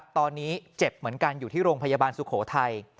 ตอนนี้เจ็บเหมือนกันอยู่ที่โรงพยาบาลสุโขทัย